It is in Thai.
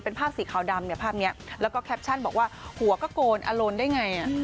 เป็นภาพสีขาวดำเนี่ยภาพนี้แล้วก็แคปชั่นบอกว่าหัวก็โกนอารมณ์ได้ไง